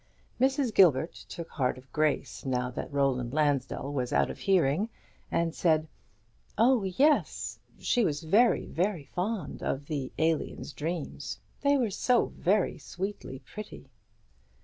Mrs. Gilbert took heart of grace now that Roland Lansdell was out of hearing, and said, "Oh, yes; she was very, very fond of the 'Alien's Dreams;' they were so sweetly pretty."